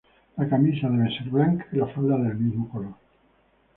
La camisa debe ser blanca y la falda del mismo color